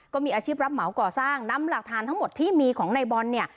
ก็มีอาชีพรับเหมาก่อสร้างนำหลักฐานทั้งหมดที่มีของในบอลเนี่ย